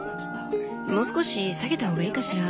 もう少し下げた方がいいかしら？